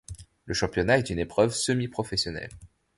Le championnat est une épreuve semi-professionnelle.